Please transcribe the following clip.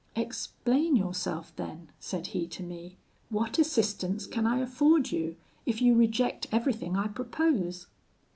"'Explain yourself, then,' said he to me; 'what assistance can I afford you, if you reject everything I propose?'